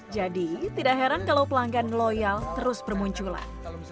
jadi tidak heran kalau pelanggan loyal terus bermunculan